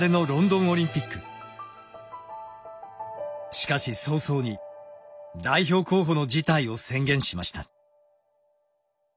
しかし早々に代表候補の辞退を宣言しました。